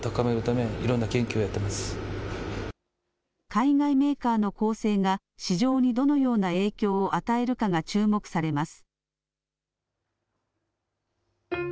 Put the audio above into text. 海外メーカーの攻勢が市場にどのような影響を与えるかが注目されます。